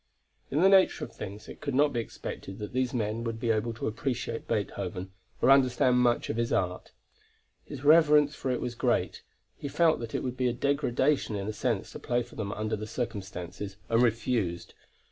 In the nature of things it could not be expected that these men would be able to appreciate Beethoven, or understand much of his art. His reverence for it was great; he felt that it would be a degradation, in a sense, to play for them under the circumstances, and refused.